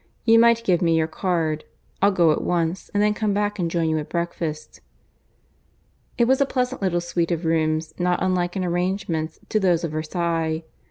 You might give me your card. I'll go at once, and then come back and join you at breakfast." It was a pleasant little suite of rooms, not unlike in arrangements to those of Versailles.